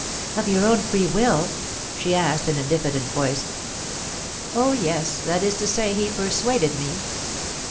"Of your own free will?" she asked, in a diffident voice. "Oh yes. That is to say, he persuaded me."